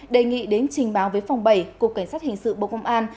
đề nghị đến trình báo với phòng bảy cục cảnh sát hình sự bộ công an